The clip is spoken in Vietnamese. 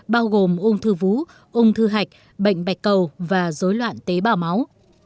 bao gồm ung thư vú ung thư hạch bệnh bạch cầu và dối loạn tế bào máu